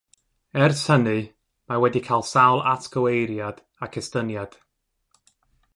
Ers hynny, mae wedi cael sawl atgyweiriad ac estyniad.